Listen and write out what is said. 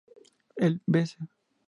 El Vz.